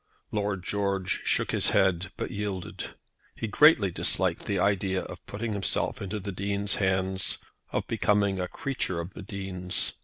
Lord George shook his head but yielded. He greatly disliked the idea of putting himself into the Dean's hands; of becoming a creature of the Dean's.